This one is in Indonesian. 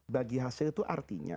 bagi hasil itu artinya